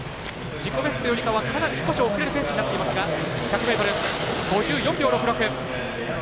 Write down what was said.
自己ベストよりは少し遅れるペースになっていますが１００ｍ、５４秒６６。